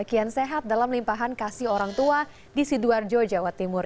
kian sehat dalam limpahan kasih orang tua di sidoarjo jawa timur